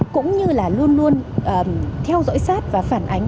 cũng như là luôn luôn theo dõi sát và phản ánh